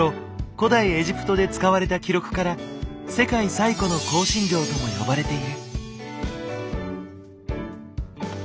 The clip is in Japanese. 古代エジプトで使われた記録から「世界最古の香辛料」とも呼ばれている。